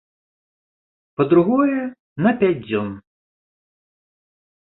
Па-другое, на пяць дзён.